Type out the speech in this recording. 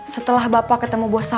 setelah bapak ketemu bos saeb